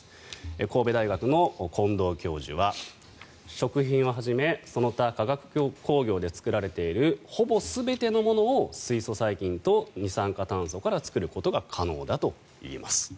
神戸大学の近藤教授は食品をはじめその他化学工業で作られているほぼ全てのものを水素細菌と二酸化炭素から作ることが可能だといいます。